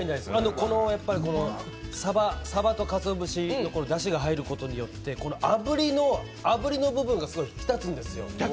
このさばとかつお節のだしが入ることによってあぶりの部分がすごい引き立つんですよ。